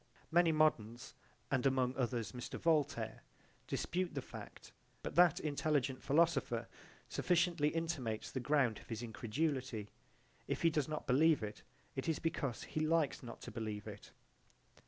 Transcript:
Many moderns, and among others Mr. Voltaire, dispute the fact, but that intelligent philosopher sufficiently intimates the ground of his incredulity if he does not believe it, it is because he likes not to believe it.